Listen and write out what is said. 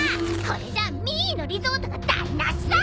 これじゃミーのリゾートが台無しさ！